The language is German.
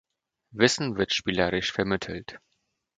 Wissen wird spielerisch vermittelt.